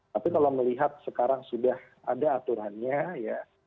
tapi kalau melihat sekarang sudah ada aturannya ya